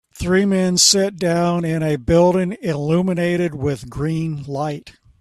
Three men sit down in a building illuminated with green light